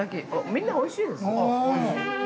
みんなおいしいですよ。